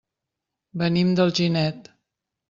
Venim d'Alginet.